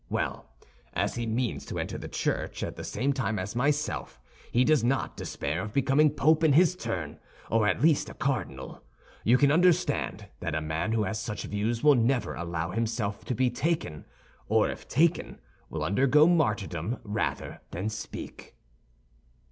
Well, as he means to enter the Church at the same time as myself, he does not despair of becoming Pope in his turn, or at least a cardinal. You can understand that a man who has such views will never allow himself to be taken, or if taken, will undergo martyrdom rather than speak."